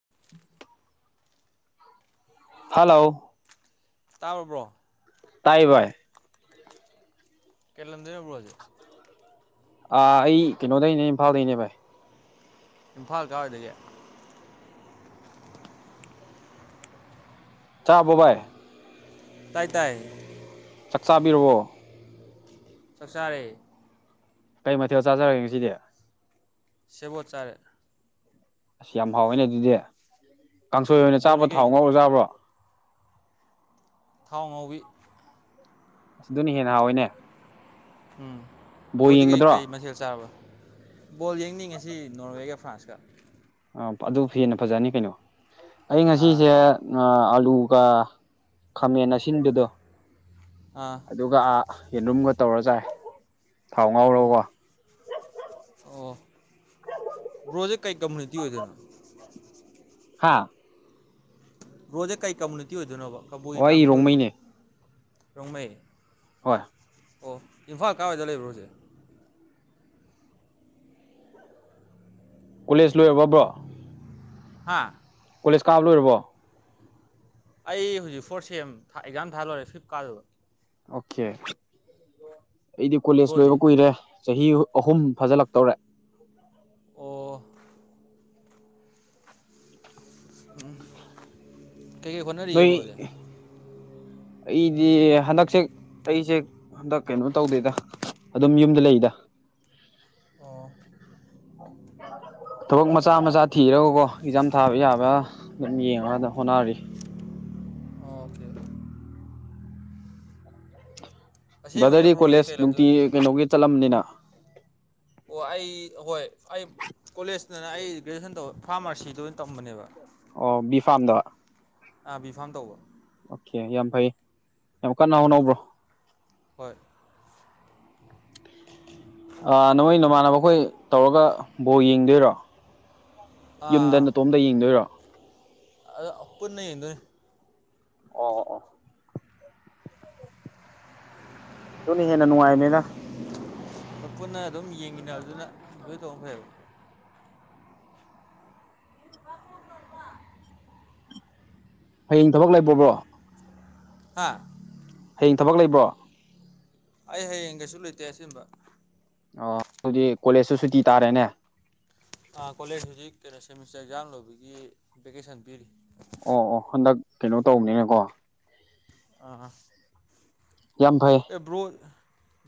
[unintelligible] hello ꯇꯥꯔꯕ꯭ꯔꯣ ꯇꯥꯏꯕꯥ ꯀꯦꯂꯦꯟꯗꯕ꯭ꯔꯖꯦ ꯑ ꯑꯩ ꯀꯩꯅꯣꯗꯅꯦ ꯏꯝꯐꯥꯜꯗꯩꯅꯦ ꯚꯥꯏ ꯏꯝꯐꯥꯜ ꯀꯥꯔꯗꯒꯤꯦ ꯆꯥꯕꯣꯕꯥꯥꯏ ꯇꯥꯏ ꯇꯥꯏ ꯆꯥꯛ ꯆꯥꯕꯤꯔꯣ ꯆꯥꯛꯁꯥꯔꯦ ꯀꯩ ꯃꯊꯦꯜ ꯆꯥꯖꯔꯒꯦ ꯁꯤꯗꯤ ꯁꯦꯝꯦꯕꯣꯠ ꯆꯥꯔꯦ ꯑꯁ ꯌꯥꯝ ꯍꯥꯎꯋꯦꯅꯦ ꯑꯗꯨꯗꯤ ꯀꯥꯡꯁꯣꯏ ꯎꯝ ꯑꯣꯏꯅ ꯆꯥꯕ ꯕ꯭ꯔꯣꯗꯤ ꯊꯥꯎ ꯀꯩ ꯉꯧꯔ ꯆꯥꯕ꯭ꯔꯣ ꯊꯥꯎꯟꯥꯎꯕꯤ ꯑꯁ ꯑꯗꯨꯅ ꯍꯦꯟꯅ ꯍꯥꯎꯋꯏꯅꯦ ꯎꯝ ꯣꯗꯤ ꯀꯩ ꯀꯩ ꯃꯁꯦꯜ ꯁꯥꯕ ꯕꯣꯜ ꯌꯦꯡꯅꯤꯡꯉꯤꯁꯤ ꯅꯣꯔꯋꯦꯒ ꯐ꯭ꯔꯥꯟꯁꯀ ꯑꯗꯨ ꯍꯦꯟꯅ ꯐꯖꯅꯤ ꯀꯩꯅꯣ ꯑꯩ ꯑꯥ ꯉꯁꯤꯁꯦ ꯑꯂꯨꯒ ꯈꯥꯃꯦꯟ ꯑꯁꯤꯗꯨꯗꯣ ꯑꯥ ꯑꯗꯨꯒ ꯌꯦꯟꯂꯨꯝꯒ ꯇꯧꯔ ꯆꯥꯏ ꯊꯥꯎ ꯑꯣ ꯉꯥꯎꯔꯒꯀ ꯭ꯔꯣꯗꯤ ꯀꯩ ꯀꯝꯃꯨꯅꯤꯇꯤ ꯑꯣꯏꯗꯅ ꯍꯥꯥ ꯕꯔꯣꯁꯦ ꯀꯩ ꯀꯝꯃꯨꯅꯤꯇꯤ ꯑꯣꯏꯗꯣꯏꯅꯣꯕ ꯑꯣ ꯀꯕꯨꯏ ꯑꯩ ꯇꯥꯡꯈꯨꯜ ꯔꯣꯡꯃꯩꯅꯦ ꯔꯣꯡꯃꯩ ꯍꯣꯏ ꯑꯣ ꯏꯝꯐꯥꯜ ꯀꯥꯏꯏꯗ ꯂꯩꯕ꯭ꯔꯣꯁꯦ ꯀꯣꯂꯦꯖ ꯂꯣꯏꯔꯕꯕ꯭ꯔꯣ ꯍꯥꯥ ꯀꯣꯂꯦꯖ ꯀꯥꯕ ꯂꯣꯏꯔꯕꯣ ꯑꯩ ꯍꯧꯖꯤꯛ ꯐꯣꯔ ꯁꯦꯝ ꯑꯦꯛꯖꯥꯝ ꯊꯥ ꯂꯣꯏꯔꯦ ꯐꯤꯐ ꯀꯥꯗꯨꯕ ꯑꯣꯀꯦ ꯑꯩꯗꯤ ꯀꯣꯂꯦꯖ ꯕ꯭ꯔꯣꯗꯤ ꯂꯣꯏꯕ ꯀꯨꯏꯔꯦ ꯆꯍꯤ ꯑꯍꯨꯝ ꯐꯖꯤꯜꯂꯛꯇꯧꯔꯦ ꯑꯣ ꯎꯝ ꯀꯩꯀꯩ ꯅꯣꯏ ꯍꯣꯠꯅꯔꯤꯑꯦꯕ꯭ꯔꯣꯗꯤ ꯑꯩꯗꯤ ꯍꯟꯗꯛꯁꯦ ꯑꯩꯁꯦ ꯍꯟꯗꯛ ꯀꯩꯅꯣ ꯇꯧꯗꯦꯗ ꯑꯗꯨꯝ ꯌꯨꯝꯗ ꯂꯩꯗ ꯑꯣ ꯊꯕꯛ ꯃꯆꯥ ꯃꯆꯥ ꯊꯤꯔꯒꯀꯣ ꯑꯦꯛꯖꯥꯝ ꯊꯥꯕ ꯌꯥꯕ ꯑꯗꯨꯝ ꯌꯦꯡꯉꯒ ꯑꯗꯨ ꯍꯣꯠꯅꯔꯤ ꯑꯣꯀꯦ ꯑꯁꯦꯡꯕꯗꯤ ꯕ꯭ꯔꯗꯔꯤ ꯕ꯭ꯔꯣꯁꯦ ꯀꯣꯂꯦꯖ ꯀꯩ ꯂꯝꯗꯣꯏ ꯅꯨꯡꯇꯤ ꯀꯩꯅꯣꯒꯤ ꯆꯠꯂꯝꯅꯤꯅ ꯑꯣ ꯑꯩ ꯍꯣꯏ ꯑꯩ ꯀꯣꯂꯦꯖꯇꯅ ꯑꯩ ꯒ꯭ꯔꯦꯖꯨꯑꯦꯁꯟ ꯇꯧꯋ ꯐꯥꯔꯃꯥꯁꯤꯗꯨ ꯑꯣ ꯕꯤ ꯐꯥꯔꯝꯗ ꯑꯥ ꯕꯤꯐꯥꯝ ꯇꯧꯕ ꯑꯣꯀꯦ ꯌꯥꯝ ꯐꯩ ꯌꯥꯝ ꯀꯟꯅ ꯍꯣꯅꯧꯕ꯭ꯔꯣ ꯍꯣꯏ ꯅꯃꯣꯏ ꯅꯃꯥꯟꯅꯕ ꯑꯩꯈꯣꯏ ꯇꯧꯔꯒ ꯕꯣ ꯌꯦꯡꯗꯣꯏꯔꯣ ꯌꯨꯝꯗ ꯅꯇꯣꯝꯗ ꯌꯦꯡꯗꯣꯏꯔꯣ ꯑꯗ ꯄꯨꯟꯅ ꯌꯦꯡꯗꯣꯏꯅꯦ ꯑꯣ ꯑꯣ ꯑꯗꯨꯅꯤ ꯍꯦꯟꯅ ꯅꯨꯡꯉꯥꯏ ꯃꯗꯥ ꯄꯨꯟꯅ ꯑꯗꯨꯝ ꯌꯦꯡꯃꯤꯟꯅꯕꯗꯨꯅ ꯑꯗꯨꯣꯏ ꯇꯧ ꯐꯩꯕ ꯍꯌꯦꯡ ꯊꯕꯛ ꯂꯩꯕꯕ꯭ꯔꯣ ꯍꯥꯥ ꯊꯕꯛ ꯂꯩꯕ꯭ꯔꯣ ꯑꯩ ꯍꯌꯦꯡ ꯀꯩꯁꯨ ꯂꯩꯇꯦꯦꯡꯕ ꯑꯣ ꯑꯗꯨꯗꯤ ꯀꯣꯂꯦꯖꯁꯨ ꯁꯨꯇꯤ ꯇꯥꯔꯦꯅꯦ ꯀꯣꯂꯦꯖ ꯍꯧꯖꯤꯛ ꯀꯩꯅꯣ ꯁꯦꯃꯤꯁꯇꯔ ꯑꯦꯛꯖꯥꯝ ꯂꯧꯕꯒꯤ ꯚꯦꯀꯦꯁꯟ ꯄꯤꯔꯤ ꯑꯣ ꯑꯣ ꯍꯟꯗꯛ ꯀꯩꯅꯣ ꯇꯧꯕꯅꯤꯅꯀꯣ ꯑ ꯌꯥꯝ ꯐꯩ ꯭ꯕꯔꯣ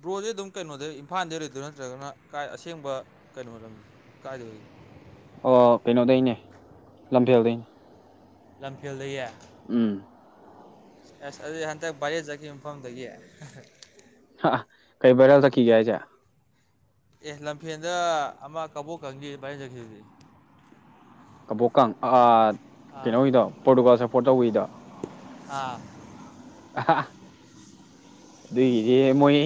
ꯕ꯭ꯔꯣꯁꯦ ꯑꯗꯨꯝ ꯀꯩꯅꯣꯗꯩ ꯏꯝꯐꯥꯜꯗꯩ ꯂꯩꯗꯣꯏꯥ ꯅꯠꯇ꯭ꯔꯒꯅ ꯀꯥꯏ ꯑꯁꯦꯡꯕ ꯀꯩꯅꯣ ꯀꯥꯏꯗ ꯂꯩꯣ [unintelligible] ꯑꯣ ꯀꯩꯅꯣꯗꯩꯅꯦ ꯂꯝꯐꯦꯜꯗꯩꯅꯦ ꯂꯝꯐꯦꯜꯗꯌꯦ ꯎꯝ ꯑꯁ ꯑꯗꯨ ꯍꯟꯗꯛ ꯚꯏꯔꯦ ꯆꯠꯈꯤꯕ ꯃꯐꯝꯗꯒꯤ ꯑ ꯀꯩꯕꯔꯦꯜ ꯊ ꯀꯒ ꯆ ꯑꯦ ꯂꯝꯐꯦꯟꯗ ꯑꯃ ꯀꯕꯣꯛ ꯈꯪꯁꯤ ꯚꯥꯏꯔꯦꯟ ꯆꯠꯈꯤꯗꯤ ꯀꯕꯣꯛꯀ ꯑꯥ ꯀꯩꯅꯣꯗꯣ ꯄꯣꯔꯇꯨꯒꯥꯜ ꯁꯞꯄꯣꯔꯠ ꯇꯧꯕꯗ ꯑꯥ ꯑ ꯑꯗꯨꯒꯤꯗꯤ ꯃꯣꯏ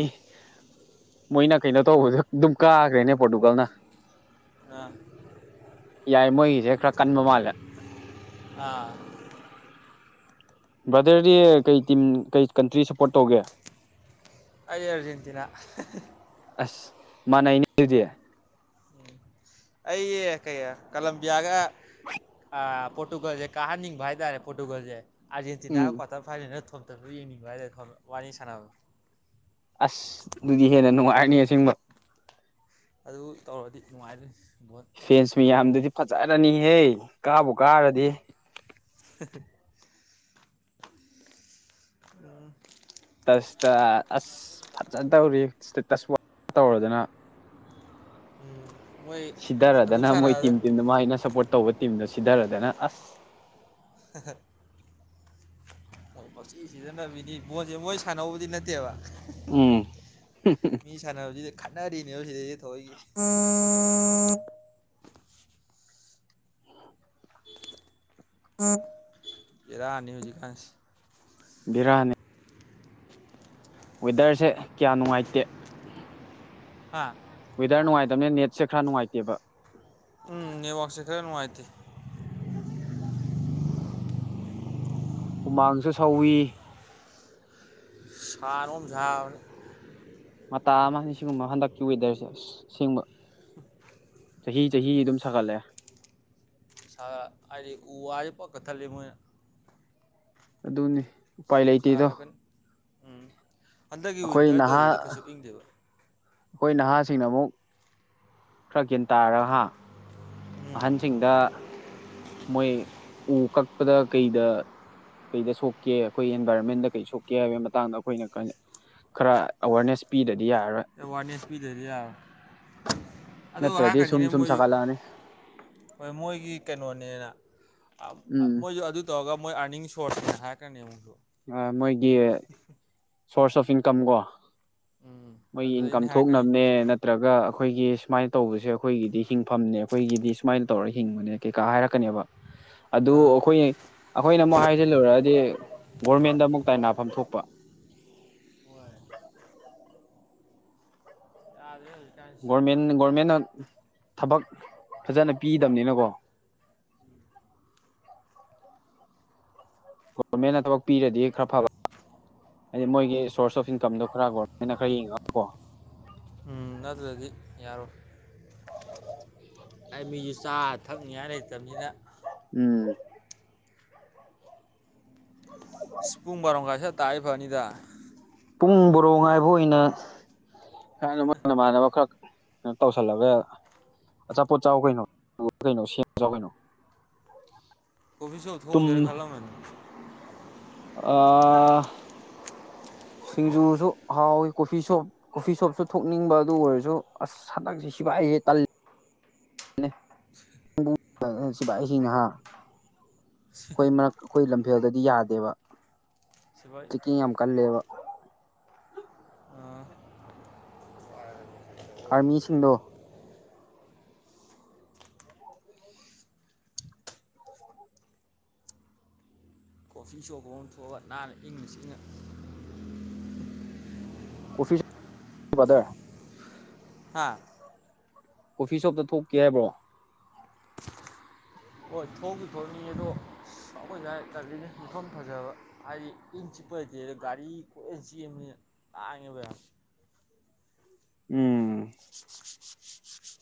ꯃꯣꯏꯅ ꯀꯩꯅꯣ ꯇꯧꯕꯗ ꯑꯗꯨꯝ ꯀꯥꯈ꯭ꯔꯦꯅꯦ ꯄꯣꯔꯇꯨꯀꯜꯅ ꯑ ꯌꯥꯏ ꯃꯣꯏꯒꯤꯁꯦ ꯈꯔ ꯀꯟꯕ ꯃꯥꯜꯂꯦ ꯑꯥ ꯕ꯭ꯔꯥꯗꯔꯗꯤ ꯀꯩ ꯇꯤꯝ ꯀꯩ ꯀꯟꯇ꯭ꯔꯤ ꯁꯞꯄꯣꯔꯠ ꯇꯧꯒꯦ ꯑꯩ ꯑꯔꯖꯦꯟꯇꯤꯅꯥ ꯃꯅꯦꯅꯤ ꯑꯗꯨꯗꯤ ꯑꯩꯦ ꯀꯩ ꯀꯂꯝꯕꯤꯌꯥꯒ ꯄꯣꯔꯇꯨꯒꯜꯁꯦ ꯀꯥꯍꯟꯅꯤꯡꯕ ꯍꯥꯏꯇꯥꯔꯦ ꯄꯣꯔꯇꯨꯒꯜꯁꯦ ꯑꯥꯔꯖꯦꯟꯇꯤꯅꯥ ꯎꯝ ꯀ꯭ꯋꯥꯇꯔ ꯐꯥꯏꯅꯦꯜꯅ ꯊꯝ ꯑ ꯌꯦꯡꯅꯤꯡꯕ ꯍꯥꯏꯔ ꯋꯥꯔꯤꯅꯤ ꯁꯥꯟꯅꯕ ꯑꯁ ꯑꯗꯨꯗꯤ ꯍꯦꯟꯅ ꯅꯨꯡꯉꯥꯏꯔꯅꯤ ꯑꯁꯦꯡꯕ ꯑꯗꯨ ꯇꯧꯔꯗꯤ ꯅꯨꯡꯉꯥꯏꯔꯅꯤ ꯐꯦꯟꯁ ꯃꯌꯥꯝꯗꯨꯗꯤ ꯐꯖꯔꯅꯤꯍꯦ ꯀꯥꯕꯨ ꯀꯥꯔꯗꯤ ꯑ ꯇꯁꯇ ꯑꯁ ꯐꯖꯅ ꯇꯧꯔꯤ ꯇꯁ ꯋꯥ ꯇꯧꯔꯗꯅ ꯃꯣꯏ ꯑꯗꯨꯝ ꯁꯤꯗꯔꯗꯅ ꯃꯣꯏ ꯁꯥꯟꯅꯕꯗ ꯇꯤꯝ ꯇꯤꯝꯗ ꯃꯥ ꯑꯩꯅ ꯁꯞꯄꯣꯔꯠ ꯇꯧꯕ ꯇꯤꯝꯗꯨꯁꯨ ꯁꯤꯗꯔꯗꯅ ꯑꯁ [unintelligible] ꯍ ꯃꯁꯤ ꯁꯤꯖꯤꯟꯅꯕꯤꯅꯤ ꯕꯣꯣꯟꯁꯦ ꯃꯣꯏ ꯁꯥꯟꯅꯧꯕꯗꯤ ꯅꯠꯇꯦꯕ ꯎꯝ ꯈꯅꯔꯤꯅꯤ ꯍꯧ ꯁꯤꯗꯤꯗꯤ ꯊꯣꯛ ꯏꯔꯥꯅꯤ ꯍꯧꯖꯤꯀꯁꯤ ꯕꯤꯔꯅꯤ ꯋꯦꯗꯔꯁꯦ ꯀꯌꯥ ꯅꯨꯡꯉꯥꯏꯇꯦ ꯍꯥ ꯋꯦꯗꯔ ꯅꯨꯡꯉꯥꯏꯇꯕꯅꯦ ꯅꯦꯠꯁꯦ ꯈꯔ ꯅꯨꯡꯉꯥꯏꯇꯦꯕ ꯎꯝ ꯅꯅꯤ ꯋꯥꯥꯛꯁꯤ ꯈꯔꯅꯅꯨꯡ ꯃꯥꯇꯤ ꯍꯨꯃꯥꯡꯁꯨ ꯁꯧꯏꯤ ꯁꯔꯨꯝꯖꯥꯔ ꯃꯇꯇꯥ ꯑꯃꯅꯤ ꯁꯤꯒꯨꯝꯕ ꯍꯟꯗꯛꯀꯤ ꯋꯦꯗꯔꯁꯦ ꯑ ꯁꯦꯡꯕ ꯆꯍꯤ ꯆꯍꯤ ꯑꯗꯨꯝ ꯁꯥꯒꯠꯂꯦ ꯍꯥꯏꯗꯤ ꯎ ꯋꯥꯁꯤ ꯄ ꯀꯊꯠꯜꯂꯤ ꯃꯣꯏꯅ ꯑꯗꯨꯅꯤ ꯎꯄꯥꯏ ꯁꯨꯝ ꯂꯩꯇꯦꯗꯣ ꯁꯥꯒꯠꯂꯛꯀꯅꯤ ꯎꯝ ꯍꯟꯗꯛꯀꯤ ꯑꯩꯈꯣꯏ ꯋꯤꯟꯇꯔ ꯅꯍꯥ ꯇꯧꯈꯤꯕꯗꯣ ꯀꯩꯁꯨ ꯏꯪꯗꯦꯕ ꯑꯩꯈꯣꯏ ꯅꯍꯥꯁꯤꯡꯅ ꯑꯃꯨꯛ ꯈꯔ ꯒꯌꯥꯦꯟ ꯇꯥꯔꯒ ꯍꯥ ꯎꯝ ꯑꯍꯟꯁꯤꯡꯗ ꯃꯣꯏ ꯎ ꯀꯛꯄꯗ ꯀꯩꯗ ꯀꯩꯗ ꯁꯣꯛꯀꯦ ꯑꯩꯈꯣꯏ ꯏꯟꯚꯥꯏꯔꯣꯟꯃꯦꯟꯗ ꯀꯩ ꯁꯣꯛꯀꯦ ꯍꯥꯏꯕꯒꯤ ꯃꯇꯥꯡꯗ ꯑꯩꯈꯣꯏꯅ ꯈꯔ ꯑꯦꯋꯥꯔꯅꯦꯁ ꯄꯤꯗꯅꯤ ꯑꯋꯥꯔꯅꯦꯁ ꯐꯤ ꯗꯔꯤꯦ ꯑꯗꯨ ꯅꯠꯇ꯭ꯔꯗꯤ ꯍꯥꯏꯀꯅꯤꯅꯦ ꯁꯨꯝ ꯁꯨꯝ ꯃꯣꯏꯁꯨ ꯁꯥꯒꯠꯂꯛꯑꯅꯤ ꯍꯣꯏ ꯃꯣꯏꯒꯤ ꯀꯩꯅꯣꯅꯦꯅ ꯎꯝ ꯃꯣꯏꯁꯨ ꯑꯗꯨ ꯇꯧꯔꯒ ꯃꯣꯏ ꯑꯥꯔꯅꯤꯡ ꯁꯣꯔꯠꯁꯅꯦ ꯍꯥꯏꯔꯛꯀꯅꯦ ꯃꯨꯣꯏꯁꯨ ꯃꯣꯏꯒꯤ ꯁꯣꯔꯁ ꯑꯣꯐ ꯏꯟꯀꯝ ꯀꯣ ꯎꯝ ꯃꯣꯏ ꯏꯟꯀꯝ ꯑꯗꯨꯗꯩꯅꯦ ꯍꯥꯏꯔꯛꯀꯅꯤ ꯊꯣꯛꯅꯕꯅꯦ ꯅꯠꯇ꯭ꯔꯒ ꯑꯩꯈꯣꯏꯒꯤ ꯁꯨꯃꯥꯏꯅ ꯇꯧꯕꯁꯦ ꯑꯩꯈꯣꯏꯒꯤꯗꯤ ꯍꯤꯡꯐꯝꯅꯦ ꯑꯩꯈꯣꯏꯒꯤꯗꯤ ꯁꯨꯃꯥꯏꯅ ꯇꯧꯔ ꯍꯤꯡꯕꯅꯦ ꯀꯩꯀꯥ ꯍꯥꯏꯔꯛꯀꯅꯦꯕ ꯑꯗꯨ ꯑꯥ ꯑꯩꯈꯣꯏ ꯑꯩꯈꯣꯏꯅ ꯑꯃꯨꯛ ꯍꯥꯏꯖꯤꯜꯂꯨꯔꯗꯤ ꯒꯣꯔꯃꯦꯟꯗ ꯑꯃꯨꯛ ꯇꯥꯏꯅꯐꯝ ꯊꯣꯛꯄ ꯑꯣꯏꯏ ꯑ ꯑꯗꯨ ꯒꯣꯔꯃꯦꯟ ꯒꯣꯔꯃꯦꯟ ꯊꯕꯛ ꯐꯖꯅ ꯄꯤꯗꯕꯅꯤꯅꯀꯣ ꯒꯣꯕꯔꯃꯦꯟꯅ ꯊꯕꯛ ꯄꯤꯔꯗꯤ ꯈꯔ ꯐꯕ ꯍꯥꯏꯗꯤ ꯃꯣꯏꯒꯤ ꯁꯣꯔꯁ ꯑꯣꯐ ꯏꯟꯀꯝꯗꯣ ꯈꯔ ꯒꯣꯔꯃꯦꯟꯅ ꯈꯔ ꯌꯦꯡꯉꯒꯀꯣ ꯎꯝ ꯑꯗꯨꯗꯤ ꯌꯥꯔꯣꯏ ꯑꯩ ꯃꯤꯁꯨ ꯆꯥ ꯊꯛꯅꯤꯉꯥꯏ ꯂꯩꯇꯕꯅꯤꯅ ꯎꯝ ꯇꯥꯏ ꯐꯅꯤꯗꯥ ꯄꯨꯡ ꯣꯔꯣꯛ ꯉꯥꯏꯕ ꯑꯣꯏꯅ ꯍꯥꯏ ꯃꯅꯃꯥꯟꯅꯕ ꯈꯔ ꯀꯩꯅꯣ ꯇꯧꯁꯜꯂꯒ ꯑꯆꯥꯄꯣꯠ ꯆꯥꯎ ꯀꯩꯅꯣ ꯀꯩꯅꯣ ꯁꯦꯝ ꯆꯥꯎ ꯀꯩꯅꯣ ꯑꯣꯐꯤꯁ ꯊ ꯇꯨꯝ ꯍꯧꯖꯔꯦ ꯈꯂꯝꯅꯤ ꯑ ꯁꯤꯡꯖꯨꯁꯨ ꯍꯥꯎꯋꯤ ꯀꯣꯐꯤ ꯁꯣꯞ ꯀꯣꯐꯤ ꯁꯣꯞꯁꯨ ꯊꯣꯛꯅꯤꯡꯕ ꯑꯗꯨ ꯑꯣꯏꯔꯁꯨ ꯑꯁ ꯍꯟꯗꯛꯁꯤ ꯁꯤꯚꯏꯦ ꯇꯜ ꯁꯤꯄꯍꯤꯁꯤ ꯅꯍꯥ ꯑꯩꯈꯣꯏ ꯃꯔꯛ ꯑꯩꯈꯣꯏ ꯂꯝꯐꯦꯜꯗꯗꯤ ꯌꯥꯗꯦꯕ ꯁꯤꯕꯥꯣꯏ ꯆꯦꯛꯀꯤꯡ ꯌꯥꯝ ꯀꯜꯂꯦꯕ ꯑꯥꯔꯃꯤꯁꯤꯡꯗꯣ ꯀꯣꯐꯤ ꯁꯣꯞ ꯐ ꯑꯃ ꯊꯣꯛꯑ ꯅꯥꯟꯅ ꯏꯪꯉ ꯆ ꯏꯪꯉ ꯀꯐꯤꯗꯦ ꯍꯥꯥ ꯀꯣꯐꯤ ꯁꯣꯞꯇ ꯊꯣꯛꯀꯦ ꯍꯥꯏꯕꯣ ꯍꯣꯏ ꯊꯣꯡꯗꯤ ꯊꯣꯔꯛꯅꯤꯡꯉꯦ ꯑꯗꯣ ꯑꯈꯣꯏ ꯗꯥꯏ ꯇꯟꯂꯦꯅꯦ ꯃꯐꯝ ꯐꯖꯕ ꯍꯥꯏꯗꯤ ꯏꯤꯡ ꯆꯤꯛ ꯈꯣꯏꯗꯦꯗ ꯒꯥꯔꯤ ꯂꯣꯏ ꯆꯦꯟꯕꯅꯤ ꯇꯥꯡꯉꯦꯕ ꯌꯥꯝꯅ ꯎꯝ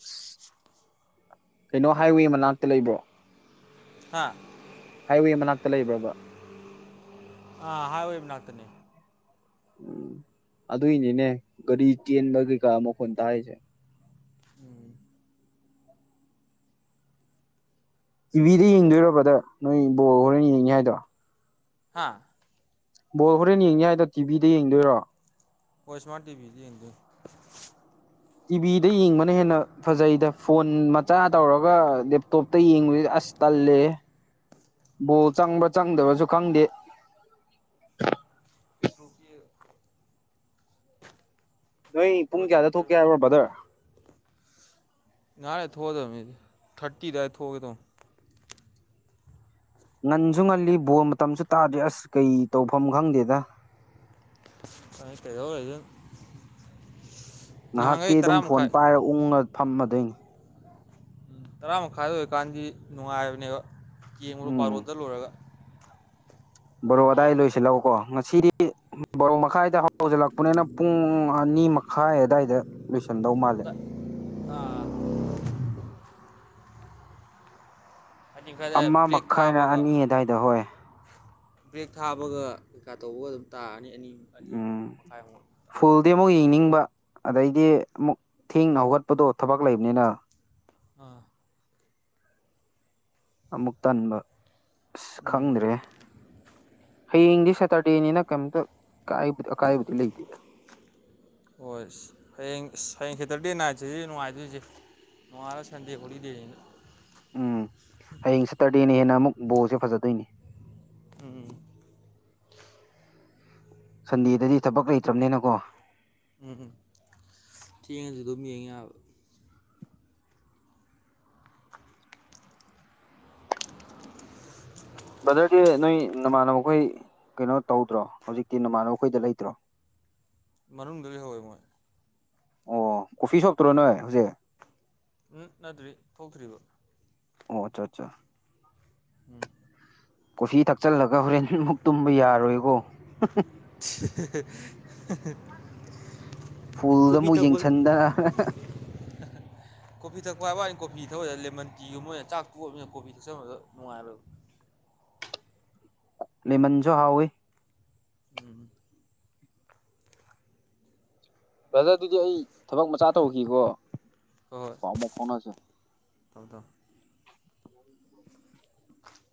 ꯑꯁ ꯀꯩꯅꯣ ꯍꯥꯏꯋꯦ ꯃꯅꯥꯛꯇ ꯂꯩꯕ꯭ꯔꯣ ꯍꯥꯥ ꯍꯥꯏꯋꯦ ꯃꯅꯥꯛꯇ ꯂꯩꯕ꯭ꯔꯥꯕ ꯑꯥ ꯍꯥꯏꯋꯦ ꯃꯅꯥꯛꯇꯅꯦ ꯑꯗꯨꯏꯅꯤꯅꯦ ꯒꯥꯔꯤ ꯆꯦꯟꯕ ꯀꯩꯀꯥ ꯃꯈꯣꯟ ꯇꯥꯏꯁꯦ ꯎꯝ [inaudible] ꯇꯤꯚꯤꯗ ꯌꯦꯡꯗꯣꯏꯔ ꯕꯥꯗꯔ ꯅꯣꯏ ꯕꯣꯜ ꯍꯣꯔꯦꯟ ꯌꯦꯡꯅꯤ ꯍꯥꯏꯗꯣ ꯍꯥꯥꯍ ꯕꯣꯜ ꯍꯣꯔꯦꯟ ꯌꯦꯡꯅꯤ ꯍꯥꯏꯗꯣ ꯇꯤꯚꯤꯗ ꯌꯦꯡꯗꯣꯏꯔꯣ ꯑꯣ ꯏꯁꯃꯥ꯭ꯔꯠ ꯇꯤꯕꯤꯗ ꯇꯤꯚꯤꯗ ꯌꯦꯡꯕꯅ ꯍꯦꯟꯅ ꯐꯖꯩꯗ ꯐꯣꯟ ꯃꯆꯥ ꯇꯧꯔꯒ ꯂꯦꯞꯇꯣꯞꯇ ꯌꯦꯡꯕꯖꯤꯗꯤ ꯑꯁ ꯇꯜꯂꯌꯦ ꯕꯣꯜ ꯆꯪꯕ꯭ꯔꯥ ꯆꯪꯗꯕꯖꯨ ꯈꯪꯗꯦ [inaudible] ꯄꯦꯇ꯭ꯔꯣꯜꯒꯤ ꯅꯣꯏ ꯄꯨꯡ ꯀꯌꯥꯗ ꯄ꯭ꯔꯣꯖꯦꯛꯇꯔ ꯊꯣꯛꯀꯦ ꯍꯥꯏꯕ꯭ꯔꯣ ꯕꯥꯗ꯭ꯔ ꯉꯍꯥꯥꯛ ꯂꯩꯔꯥ ꯊꯣꯛꯑꯗꯅꯦ ꯊꯥꯔꯇꯤ ꯗꯨꯋꯥꯏ ꯊꯣꯛꯑꯗꯧꯅꯦ ꯉꯟꯖꯨ ꯉꯜꯂꯤ ꯕꯣꯜ ꯃꯇꯝꯁꯨ ꯇꯥꯗ꯭ꯔꯤ ꯑꯁ ꯀꯩ ꯇꯧꯐꯝ ꯈꯪꯗꯦꯗ ꯀꯩꯗꯧ ꯂꯩꯗꯣꯏ ꯉꯥꯏꯍꯥꯛꯇꯤ ꯑꯗꯨꯝ ꯐꯣꯟ ꯄꯥꯏꯔ ꯎꯪꯉꯥ ꯐꯝꯃꯗꯣꯏꯅꯤ ꯇꯔꯥ ꯃꯈꯥꯏꯗ ꯑꯣꯏꯀꯥꯟꯗꯤ ꯅꯨꯡꯉꯥꯏꯕꯅꯦꯕ ꯌꯦꯡꯉꯨꯔꯣ ꯕꯥꯔꯣꯗ ꯂꯣꯏꯔꯒ ꯕꯥꯔꯣ ꯑꯥꯗꯥꯏ ꯂꯣꯏꯁꯤꯜꯂꯑꯣꯀꯣ ꯉꯁꯤꯗꯤ ꯕꯥꯔꯣ ꯃꯈꯥꯏꯗ ꯍꯧꯖꯤꯜꯂꯛꯄꯅꯤꯅ ꯄꯨꯡ ꯑꯅꯤ ꯑꯅꯤ ꯃꯈꯥꯏ ꯑꯗꯥꯏꯗ ꯂꯣꯏꯁꯟꯗꯧ ꯃꯥꯜꯂꯦ ꯑꯥ ꯍꯥꯏꯗꯤ ꯈꯔ ꯑꯃ ꯕ꯭ꯔꯦꯛ ꯃꯈꯥꯏꯅ ꯊꯥꯕꯒ ꯑꯅꯤ ꯑꯗꯥꯏꯗ ꯍꯣꯏ ꯕ꯭ꯔꯦꯛ ꯊꯥꯕꯒ ꯀꯩꯀꯥ ꯇꯧꯕꯒ ꯑꯗꯨꯝ ꯇꯥꯔꯅꯤ ꯑꯅꯤ- ꯑꯅꯤ ꯎꯝ ꯃꯈꯥꯏꯃꯨꯛ ꯑꯗꯨꯝ ꯇꯥꯅꯤ ꯐꯨꯜꯗꯤ ꯑꯃꯨꯛ ꯌꯦꯡꯅꯤꯡꯕ ꯑꯗꯩꯗꯤ ꯑꯃꯨꯛ ꯊꯦꯡꯅ ꯍꯣꯏ ꯍꯧꯒꯠꯄꯗꯣ ꯊꯕꯛ ꯂꯩꯕꯅꯤꯅ ꯑꯥ ꯑꯃꯨꯛ ꯇꯟꯕ ꯑꯁ ꯎꯝ ꯈꯪꯗ꯭ꯔꯦꯍꯦ ꯍꯌꯦꯡꯗꯤ ꯁꯦꯇ꯭ꯔꯗꯦꯅꯤꯅ ꯀꯩꯝꯇ ꯀꯥꯏꯕ-ꯑꯀꯥꯏꯕꯗꯤ ꯂꯩꯇꯦꯗ ꯍꯣꯏ ꯏꯤꯁ ꯍꯌꯦꯡ-ꯍꯌꯦꯡ ꯁꯦꯇꯔꯗꯦ ꯅꯥꯏꯠꯁꯤꯗꯤ ꯅꯨꯡꯉꯥꯏꯗꯨꯏꯖꯤ ꯅꯣꯡꯉꯥꯜꯂꯥ ꯁꯟꯗꯦ ꯍꯣꯂꯤꯗꯦꯅꯤꯅ ꯎꯝ ꯍꯥꯌꯦꯡ ꯁꯦꯇꯔꯗꯦꯅ ꯍꯦꯟꯅ ꯑꯃꯨꯛ ꯕꯣꯜꯖꯦ ꯐꯥꯖꯗꯣꯏꯅꯤ ꯎꯝ ꯁꯟꯗꯦꯗꯗꯤ ꯊꯕꯛ ꯂꯩꯇ꯭ꯔꯝꯅꯦꯅꯀꯣ ꯎꯝ ꯊꯦꯡꯉꯥꯖꯨ ꯑꯗꯨꯝ ꯌꯦꯡ ꯌꯥꯕ ꯕ꯭ꯔꯗꯔꯒꯤ ꯅꯣꯏ ꯅꯃꯥꯟꯅꯕꯈꯣꯏ ꯀꯩꯅꯣ ꯇꯧꯗ꯭ꯔꯣ ꯍꯧꯖꯤꯛꯇꯤ ꯅꯃꯥꯟꯅꯕꯈꯣꯏꯗ ꯂꯩꯇ꯭ꯔꯣ ꯃꯅꯨꯡꯗ ꯂꯩꯍꯧꯋꯦ ꯃꯣꯏ ꯑꯣ ꯀꯣꯐꯤ ꯁꯣꯞꯇꯨꯔꯣ ꯅꯣꯏ ꯍꯧꯖꯤꯛ ꯎꯝ ꯅꯠꯗ꯭ꯔꯤ ꯊꯣꯛꯇ꯭ꯔꯤꯕ ꯑꯣ ꯑꯆꯥ-ꯑꯆꯥ ꯎꯝ ꯀꯣꯐꯤ ꯊꯛꯆꯜꯂꯒ ꯍꯣꯔꯦꯟ ꯃꯨꯛ ꯇꯨꯝꯕ ꯌꯥꯔꯣꯏꯕꯣ ꯍꯨꯡ-ꯍꯨꯡ ꯐꯨꯜꯗ ꯀꯣꯐꯤ ꯃꯨꯛ ꯊꯛꯄ ꯌꯦꯡꯁꯤꯟꯗ ꯑꯍꯥ-ꯍꯥ ꯀꯣꯐꯤ ꯊꯛꯄ ꯍꯥꯏꯕ ꯋꯥꯅꯤ ꯀꯣꯐꯤ ꯊꯛꯑꯣꯏ ꯂꯦꯃꯟ ꯇꯤꯒꯨꯝꯕ ꯑꯣꯏꯅ ꯆꯥꯛ ꯇꯣꯛꯑꯕꯅꯤꯅ ꯀꯣꯐꯤ ꯊꯛꯆꯟꯕꯗꯣ ꯅꯨꯡꯉꯥꯏꯔꯣꯏꯕ [inaudible] ꯂꯦꯃꯟꯖꯨ ꯍꯥꯎꯋꯤ ꯎꯝ ꯕ꯭ꯔꯗꯔꯗꯨꯗꯤ ꯑꯩ ꯊꯕꯛ ꯃꯆꯥ ꯇꯧꯈꯤꯀꯣ ꯍꯣꯏ ꯍꯣꯏ ꯑ ꯃꯣ ꯐꯣꯟꯁꯦ ꯊꯝꯃꯣ ꯊꯝꯃꯣ